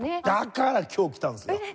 だから今日来たんですよ！